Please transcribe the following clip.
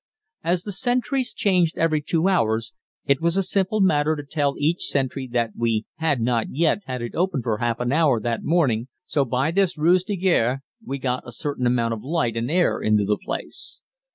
As the sentries changed every two hours, it was a simple matter to tell each sentry that we had not yet had it open for half an hour that morning, so by this ruse de guerre we got a certain amount of light and air into the place.